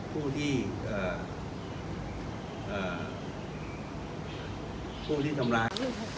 ผู้ที่เอ่อพูดที่ทำร้าย